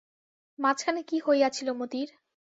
মাঝখানে কী হইয়াছিল মতির?